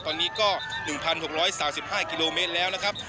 ตอนนี้ก็๑๖๓๕กิโลเมตรแล้วนะครับ